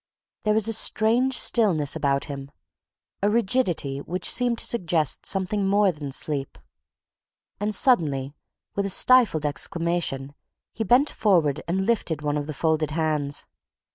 There was a strange stillness about him a rigidity which seemed to suggest something more than sleep. And suddenly, with a stifled exclamation, he bent forward and lifted one of the folded hands.